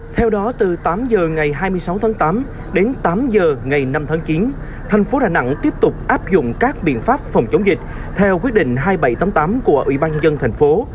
theo đó từ tám h ngày hai mươi sáu tháng tám đến tám h ngày năm tháng chín thành phố đà nẵng tiếp tục áp dụng các biện pháp phòng chống dịch theo quyết định hai nghìn bảy trăm tám mươi tám của ủy ban nhân dân thành phố